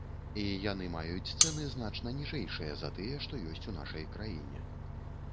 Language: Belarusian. І яны маюць цэны значна ніжэйшыя за тыя, што ёсць у нашай краіне.